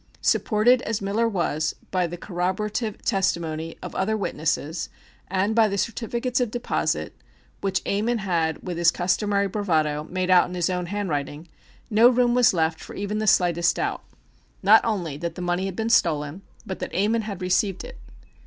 Supported as Miller was by the corroborative testimony of other witnesses and by the certificates of deposit which Ammon had, with his customary bravado, made out in his own handwriting, no room was left for even the slightest doubt, not only that the money had been stolen but that Ammon had received it.